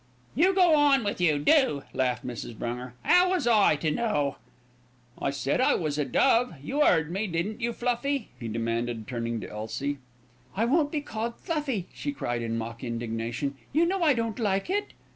"You go on with you, do," laughed Mrs. Brunger. "How was I to know?" "I said I was a dove. You 'eard me, didn't you, Fluffy?" he demanded, turning to Elsie. "I won't be called Fluffy," she cried, in mock indignation. "You know I don't like it."